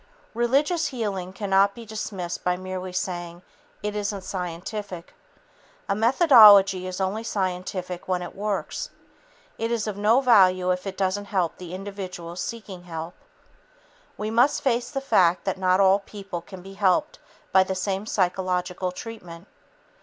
Religious healing cannot be dismissed by merely saying, "It isn't scientific." A methodology is only scientific when it works. It is of no value if it doesn't help the individual seeking help. We must face the fact that not all people can be helped by the same psychological treatment.